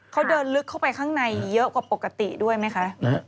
เขาเดินลึกเข้าไปข้างในเยอะกว่าปกติด้วยไหมคะ